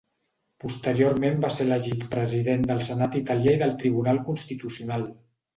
Posteriorment va ser elegit president del Senat italià i del Tribunal Constitucional.